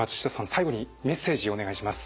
最後にメッセージをお願いします。